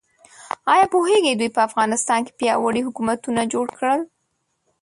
ایا پوهیږئ دوی په افغانستان کې پیاوړي حکومتونه جوړ کړل؟